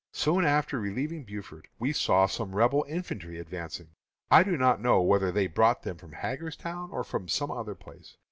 Soon after relieving Buford, we saw some Rebel infantry advancing. I do not know whether they brought them from Hagerstown, or from some other place.